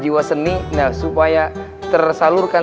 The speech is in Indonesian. jiwa seni supaya tersalurkan